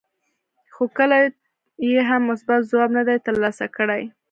خو کله یې هم مثبت ځواب نه دی ترلاسه کړی.